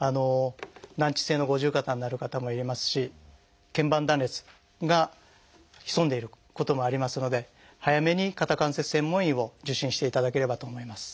難治性の五十肩になる方もいますし腱板断裂が潜んでいることもありますので早めに肩関節専門医を受診していただければと思います。